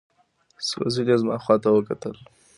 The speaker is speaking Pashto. څو ځلې یې زما خواته وکتل.